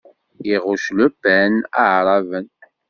Iɣuc Le Pen Aɛraben.